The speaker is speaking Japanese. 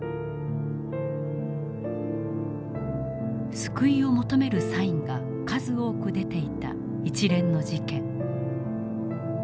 救いを求めるサインが数多く出ていた一連の事件。